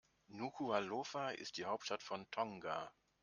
Nukuʻalofa ist die Hauptstadt von Tonga.